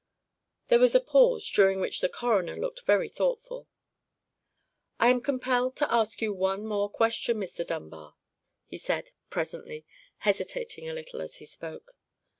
There was a pause, during which the coroner looked very thoughtful. "I am compelled to ask you one more question, Mr. Dunbar," he said, presently, hesitating a little as he spoke.